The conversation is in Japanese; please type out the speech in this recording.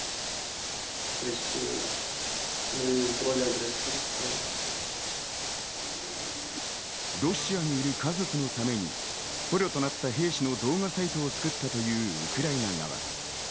ロシアにいる家族のために捕虜となった兵の動画サイトを作ったというウクライナ側。